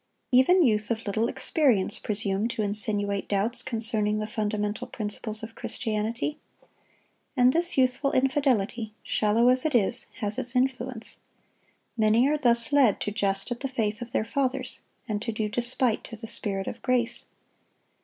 Even youth of little experience presume to insinuate doubts concerning the fundamental principles of Christianity. And this youthful infidelity, shallow as it is, has its influence. Many are thus led to jest at the faith of their fathers, and to do despite to the Spirit of grace.